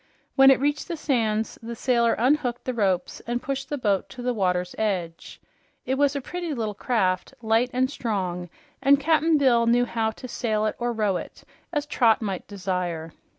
When it reached the sands, the sailor unhooked the ropes and pushed the boat to the water's edge. It was a pretty little craft, light and strong, and Cap'n Bill knew how to sail it or row it, as Trot might desire.